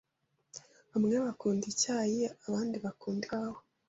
Bamwe bakunda icyayi, abandi bakunda ikawa.